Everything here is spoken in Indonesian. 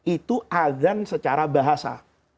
itu adhan secara bahasa